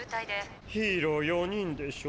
ヒーロー４人でしょ